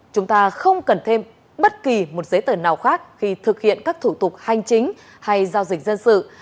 chúng ta không cần thêm bất kỳ một giấy tờ nào khác khi thực hiện các thủ tục hành chính hay giao dịch dân sự